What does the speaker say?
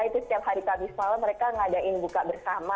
itu setiap hari kbismala mereka ngadain buka bersama